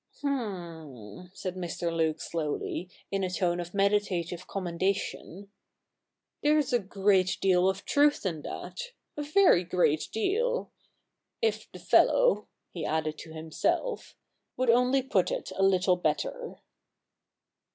''''^' H'm,' said Mr. Luke slowly, in a tone of meditative commendation. ' there's a great deal of truth in that — a very great deal — if the fellow,' he added to himself, ' would only put it a little better.'